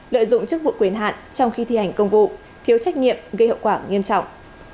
lợi dụng chức vụ quyền hạn trong khi thi hành công vụ thiếu trách nhiệm gây hậu quả nghiêm trọng